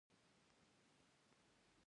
د دې خبرې یو لامل د زراعت وروسته پاتې والی دی